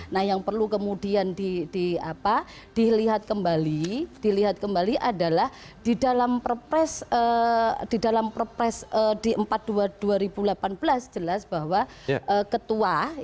nah yang perlu kemudian dilihat kembali adalah di dalam perpres di empat dua dua ribu delapan belas jelas bahwa